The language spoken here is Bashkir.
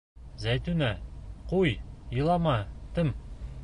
Зәйтүнә, ҡуй, илама, тым!..